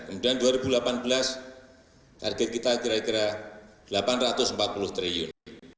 kemudian dua ribu delapan belas target kita kira kira rp delapan ratus empat puluh triliun